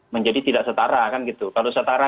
menjadi tidak setara kan gitu kalau setara